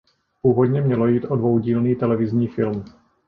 Původně mělo jít o dvoudílný televizní film.